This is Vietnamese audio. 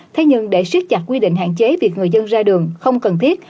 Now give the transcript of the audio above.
thế nhưng để siết chặt quy định hạn chế việc người dân ra đường không cần thiết